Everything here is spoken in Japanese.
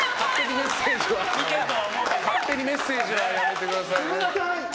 勝手にメッセージはやめてください。